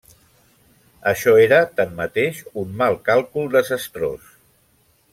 Això era, tanmateix, un mal càlcul desastrós.